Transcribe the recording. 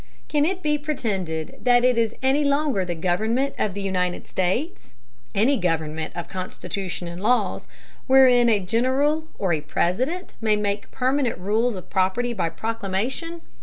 Can it be pretended that it is any longer the government of the United States any government of constitution and laws wherein a general or a president may make permanent rules of property by proclamation?